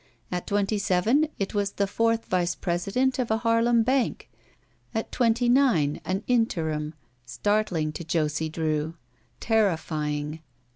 At twenty seven it was the fourth vice president of a Harlem bank. At twenty nine an interim. Startling to Josie Drew. Terrifying.